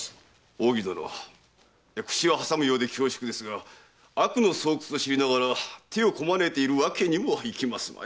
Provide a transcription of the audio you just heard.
扇殿口を挟むようで恐縮ですが悪の巣窟と知りながら手をこまねいているわけにもいきますまい。